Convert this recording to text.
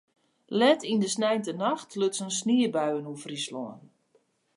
Let yn de sneintenacht lutsen sniebuien oer Fryslân.